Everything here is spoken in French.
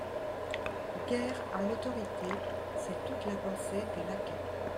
Guerre à l'autorité, c'est toute la pensée des laquais.